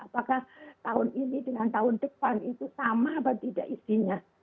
apakah tahun ini dengan tahun depan itu sama atau tidak isinya